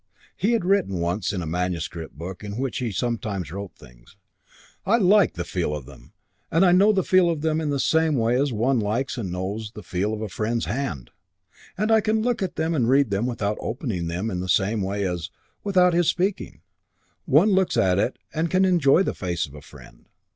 He had written once in a manuscript book in which he sometimes wrote things, "I like the feel of them and I know the feel of them in the same way as one likes and knows the feel of a friend's hand. And I can look at them and read them without opening them in the same way as, without his speaking, one looks at and can enjoy the face of a friend.